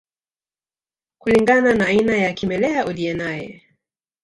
Kulingana na aina ya kimelea uliye naye